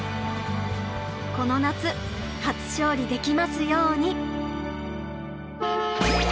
この夏初勝利できますように。